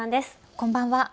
こんばんは。